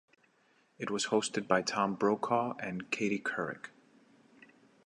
It was hosted by Tom Brokaw and Katie Couric.